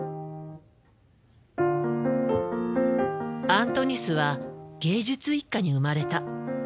アントニスは芸術一家に生まれた。